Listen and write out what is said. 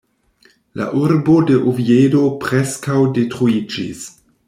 La urbo de Oviedo preskaŭ detruiĝis.